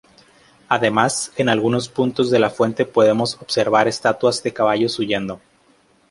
Además en algunos puntos de la fuente podemos observar estatuas de caballos huyendo.